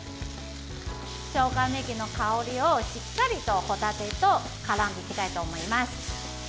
しょうが、ねぎの香りをしっかりと帆立てとからめていきたいと思います。